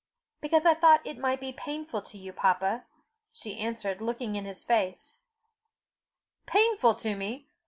"Because I thought it might be painful to you, papa," she answered, looking in his face. "Painful to me!